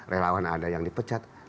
relawan ada yang dipecat